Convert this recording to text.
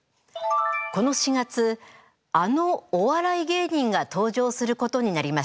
この４月あのお笑い芸人が登場することになりました。